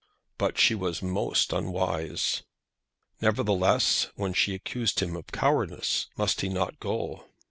But she was most unwise. Nevertheless, when she accused him of cowardice, must he not go?